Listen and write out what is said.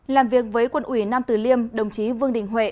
làm việc với quận ủy nam từ liêm đồng chí vương đình huệ